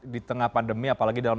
di tengah pandemi apalagi dalam